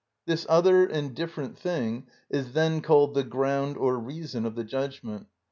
This other and different thing is then called the ground or reason of the judgment.